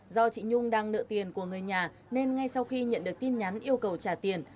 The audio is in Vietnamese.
do chị nhung đang nợ tiền của người nhà nên ngay sau khi nhận được tin nhắn yêu cầu trả tiền